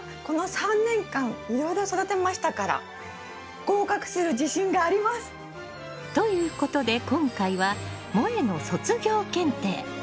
この３年間いろいろ育てましたから合格する自信があります！ということで今回はもえの卒業検定。